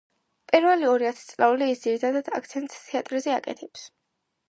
პირველი ორი ათწლეული ის ძირითად აქცენტს თეატრზე აკეთებს.